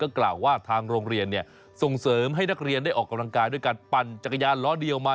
กล่าวว่าทางโรงเรียนส่งเสริมให้นักเรียนได้ออกกำลังกายด้วยการปั่นจักรยานล้อเดียวมา